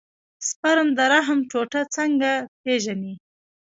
سپرم د رحم ټوټه څنګه پېژني.